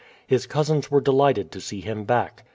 His cousins were delighted to see him back.